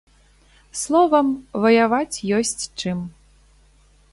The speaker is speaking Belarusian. Словам, ваяваць ёсць чым.